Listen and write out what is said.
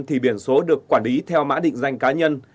thì biển số được quản lý theo mã định danh cá nhân